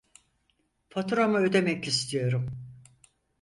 Faturamı ödemek istiyorum